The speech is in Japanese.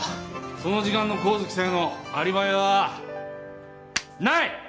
その時間の神月沙代のアリバイは。ない！